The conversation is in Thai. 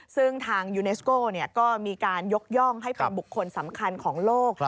ซึ่งทางยูเนสโก้ก็มีการยกย่องให้เป็นบุคคลสำคัญของโลก